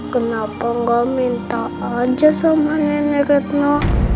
kenapa nggak minta aja sama nenek retno